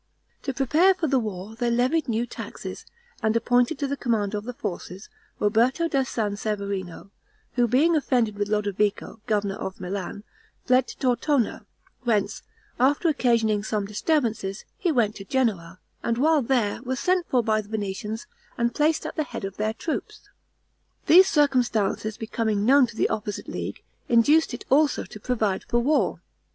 To prepare for the war, they levied new taxes, and appointed to the command of the forces, Roberto da San Severino, who being offended with Lodovico, governor of Milan, fled to Tortona, whence, after occasioning some disturbances, he went to Genoa, and while there, was sent for by the Venetians, and placed at the head of their troops. These circumstances becoming known to the opposite league, induced it also to provide for war.